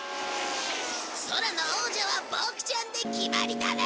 空の王者はボクちゃんで決まりだね！